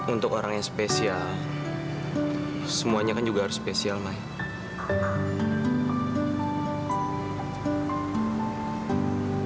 untuk orang yang spesial semuanya kan juga harus spesial mah ya